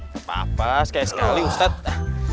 gapapa sekali sekali ustadz